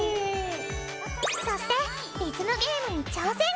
そしてリズムゲームに挑戦。